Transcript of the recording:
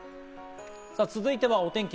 さぁ続いてはお天気。